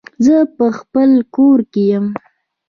زه په خپل کور کې يم